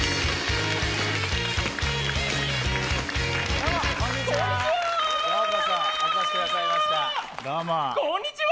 どうも、こんにちは。